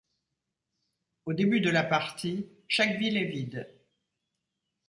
Au début de la partie, chaque ville est vide.